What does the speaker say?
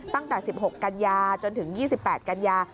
ตั้งแต่๑๖กันยาจนถึง๒๘กันยา